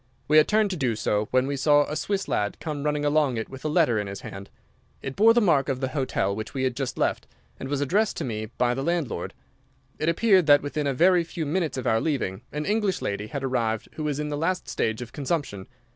We had turned to do so, when we saw a Swiss lad come running along it with a letter in his hand. It bore the mark of the hotel which we had just left, and was addressed to me by the landlord. It appeared that within a very few minutes of our leaving, an English lady had arrived who was in the last stage of consumption.